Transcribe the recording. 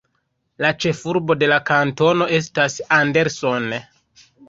La ĉefurbo de la kantono estas Anderson.